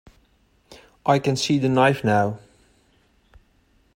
I can see that knife now.